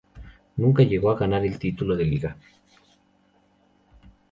Nunca llegó a ganar el título de liga.